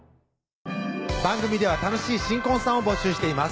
番組では楽しい新婚さんを募集しています